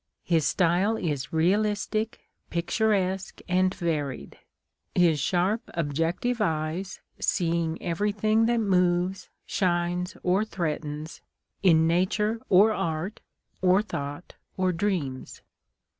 His style is realistic, picturesque, and varied ; his sharp objective eyes seeing every thing that moves, shines, or threatens in nature or art, or thought or dreams.